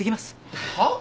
はっ？